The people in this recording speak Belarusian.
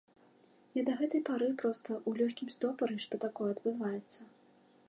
Я да гэтай пары, проста, у лёгкім стопары, што такое адбываецца.